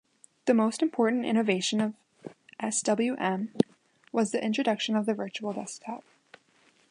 The most important innovation of swm was the introduction of the virtual desktop.